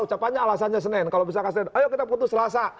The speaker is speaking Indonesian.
ucapannya alasannya senin kalau misalkan senin ayo kita putus selasa